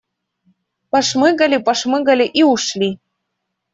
Пошмыгали, пошмыгали и ушли.